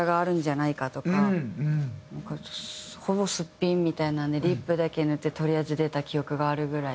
ほぼすっぴんみたいなのでリップだけ塗ってとりあえず出た記憶があるぐらい。